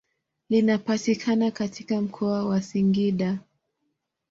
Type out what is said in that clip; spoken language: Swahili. Linapatikana katika mkoa wa Singida.